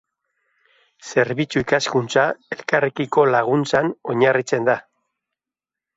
Zerbitzu-ikaskuntza elkarrekiko laguntzan oinarritzen da.